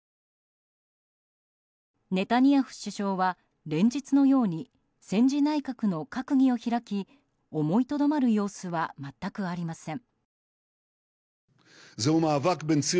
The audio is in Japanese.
ネタニヤフ首相は、連日のように戦時内閣の閣議を開き思いとどまる様子は全くありません。